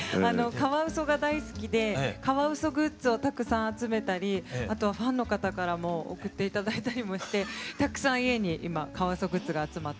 カワウソが大好きでカワウソグッズをたくさん集めたりあとはファンの方からも贈って頂いたりもしてたくさん家に今カワウソグッズが集まってます。